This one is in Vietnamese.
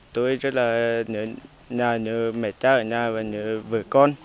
tôi rất nhớ nhà nhớ mẹ cha ở nhà và nhớ vợ con